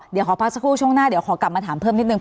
เดี๋ยวขอพักสักครู่ช่วงหน้าเดี๋ยวขอกลับมาถามเพิ่มนิดนึ